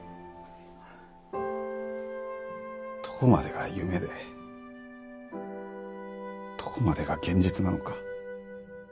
どこまでが夢でどこまでが現実なのか。